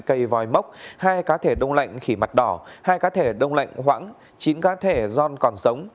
cây vòi mốc hai cá thể đông lạnh khỉ mặt đỏ hai cá thể đông lạnh hoãng chín cá thể giòn còn sống